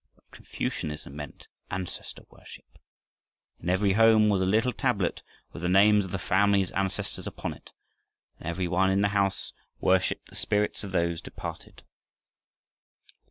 But Confucianism meant ancestor worship. In every home was a little tablet with the names of the family's ancestors upon it, and every one in the house worshiped the spirits of those departed.